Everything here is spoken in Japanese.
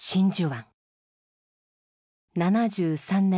７３年前